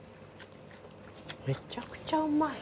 めちゃくちゃうまい。